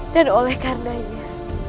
dan oleh karenanya